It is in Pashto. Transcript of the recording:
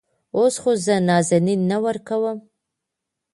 اوس خو زه نازنين نه ورکوم.